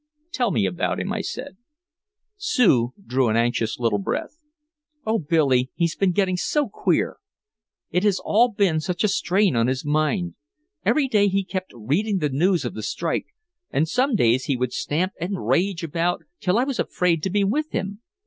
"Tell me about him," I said. Sue drew an anxious little breath: "Oh Billy, he has been getting so queer. It has all been such a strain on his mind. Every day he kept reading the news of the strike and some days he would stamp and rage about till I was afraid to be with him.